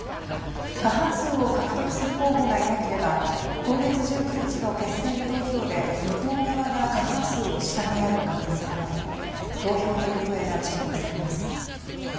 過半数を獲得する候補がいなければ今月１９日の決選投票で与党側が過半数を下回る可能性もあり投票の行方が注目されます。